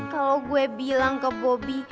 kalau gue bilang ke bobi